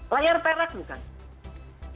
layar perak bukan